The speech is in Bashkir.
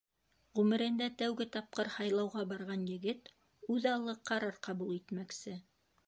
Ғүмерендә тәүге тапҡыр һайлауға барған егет үҙаллы ҡарар ҡабул итмәксе.